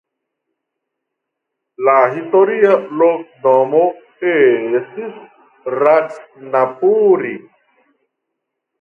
La historia loknomo estis "Ratnapuri".